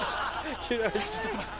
写真撮ってます